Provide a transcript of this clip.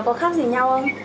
chứ không có